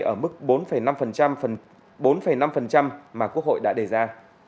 ở mức bốn năm mà quốc hội đã đề ra